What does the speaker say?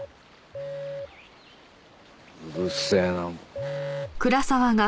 うるせえな。